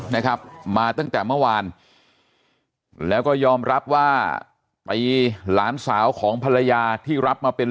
นะครับมาตั้งแต่เมื่อวานแล้วก็ยอมรับว่าไปหลานสาวของภรรยาที่รับมาเป็น